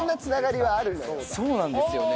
そうなんですよね。